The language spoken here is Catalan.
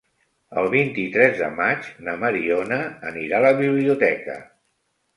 El vint-i-tres de maig na Mariona anirà a la biblioteca.